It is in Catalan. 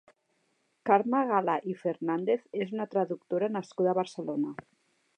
Carme Gala i Fernández és una traductora nascuda a Barcelona.